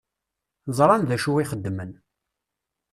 Ẓṛan dacu i xeddmen.